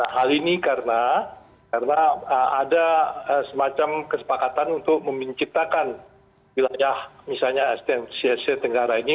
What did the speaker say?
hal ini karena ada semacam kesepakatan untuk memincitakan wilayah misalnya sstm cstm tenggara ini